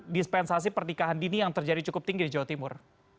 dispensasi pernikahan dini yang terjadi cukup tinggi di jawa timur